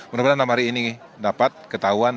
mudah mudahan enam hari ini dapat ketahuan